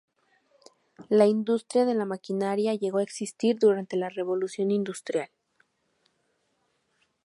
La industria de la maquinaria llegó a existir durante la revolución industrial.